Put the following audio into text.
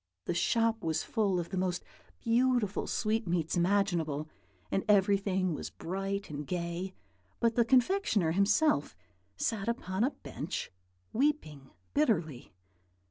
The shop was full of the most beautiful sweetmeats imaginable, and everything was bright and gay; but the confectioner himself sat upon a bench, weeping bitterly.